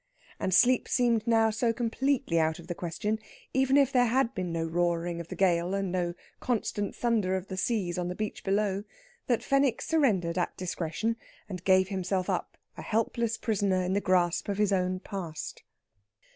And sleep seemed now so completely out of the question, even if there had been no roaring of the gale and no constant thunder of the seas on the beach below, that Fenwick surrendered at discretion, and gave himself up a helpless prisoner in the grasp of his own past.